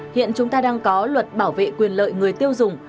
hiện chúng ta đang có luật bảo vệ quyền lợi người tiêu dùng